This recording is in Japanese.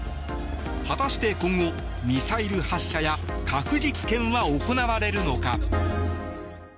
果たして今後、ミサイル発射や核実験は行われるのか。